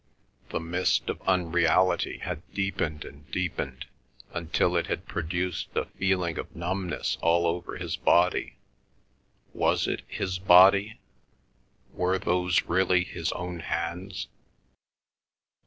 The mist of unreality had deepened and deepened until it had produced a feeling of numbness all over his body. Was it his body? Were those really his own hands?